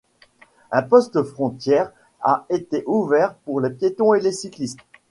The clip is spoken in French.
Un poste frontière a été ouvert pour les piétons et cyclistes.